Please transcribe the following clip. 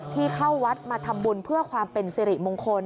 เข้าวัดมาทำบุญเพื่อความเป็นสิริมงคล